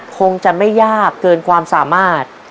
คงจะไม่ยากเกินความสามารถ